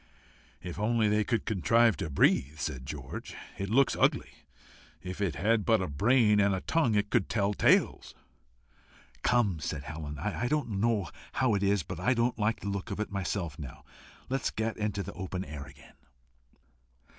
"If only they could contrive to breathe," said George. "It looks ugly. If it had but a brain and a tongue it could tell tales." "Come," said Helen. "I don't know how it is, but I don't like the look of it myself now. Let us get into the open air again."